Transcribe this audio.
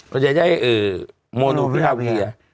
เราจะได้โมนูฟาวิ